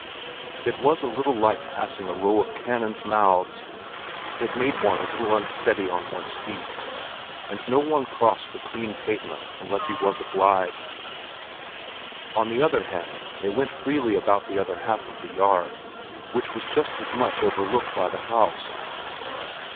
It was, a little like passing a row of cannons' mouths—it made one a little unsteady on one's feet; and no one crossed the clean pavement unless he was obliged. On the other hand they went freely about the other half of the yard, which was just as much overlooked by the House.